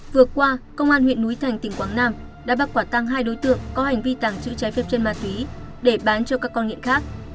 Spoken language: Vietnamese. vừa qua công an huyện núi thành tỉnh quảng nam đã bắt quả tăng hai đối tượng có hành vi tàng trữ trái phép chân ma túy để bán cho các con nghiện khác